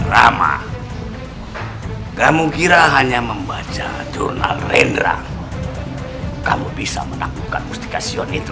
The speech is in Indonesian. rama kamu kira hanya membaca jurnal rendra kamu bisa menaklukan musikasyon itu